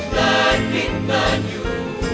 เดินบินเดินอยู่